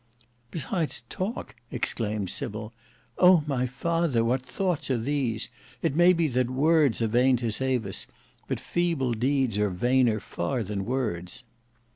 "Besides talk!" exclaimed Sybil. "O! my father, what thoughts are these! It may be that words are vain to save us; but feeble deeds are vainer far than words."